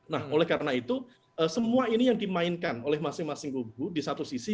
nah oleh karena itu semua ini yang dimainkan oleh masing masing kubu di satu sisi